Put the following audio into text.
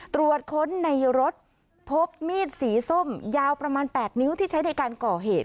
ตรวจค้นในรถพบมีดสีส้มยาวประมาณ๘นิ้วที่ใช้ในการก่อเหตุ